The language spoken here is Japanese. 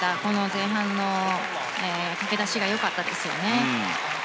前半の駆け出しが良かったですよね。